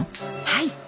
はい。